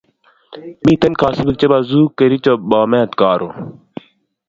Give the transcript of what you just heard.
Miten kasubik ab zoo kericho Bomet karun